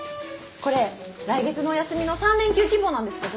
これ来月のお休みの３連休希望なんですけど。